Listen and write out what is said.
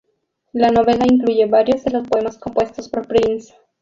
La novela incluye varios de los poemas compuestos por Prince.